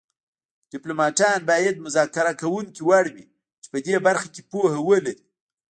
ډیپلوماتان باید مذاکره کوونکي وړ وي چې په دې برخه کې پوهه ولري